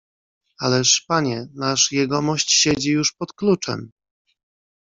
"Ależ, panie, nasz jegomość siedzi już pod kluczem!"